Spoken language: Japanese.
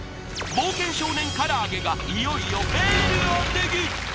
冒険少年からあげがいよいよベールを脱ぐ！